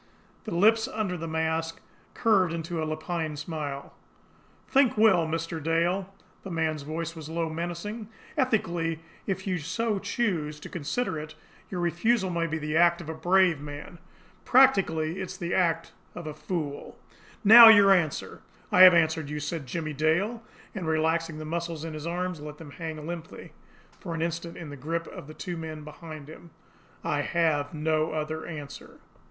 The lips under the mask curved into a lupine smile. "Think well, Mr. Dale!" The man's voice was low, menacing. "Ethically, if you so choose to consider it, your refusal may be the act of a brave man; practically, it is the act of a fool. Now your answer!" "I have answered you," said Jimmie Dale and, relaxing the muscles in his arms, let them hang limply for an instant in the grip of the two men behind him. "I have no other answer."